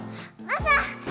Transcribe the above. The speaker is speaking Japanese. マサ！